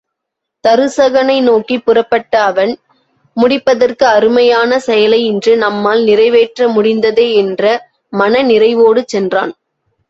தருசகனை நோக்கிப் புறப்பட்ட அவன், முடிப்பதற்கு அருமையான செயலை இன்று நம்மால் நிறைவேற்ற முடிந்ததே என்ற மனநிறைவோடு சென்றான்.